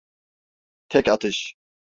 Tek atış.